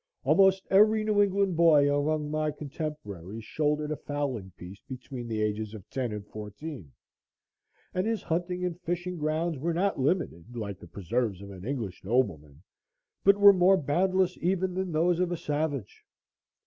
Almost every New England boy among my contemporaries shouldered a fowling piece between the ages of ten and fourteen; and his hunting and fishing grounds were not limited, like the preserves of an English nobleman, but were more boundless even than those of a savage.